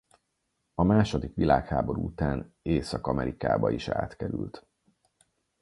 A második világháború után Észak-Amerikába is átkerült.